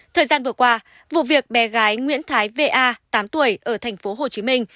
thời gian vừa qua vụ việc bé gái nguyễn thái v a tám tuổi ở thành phố hồ chí minh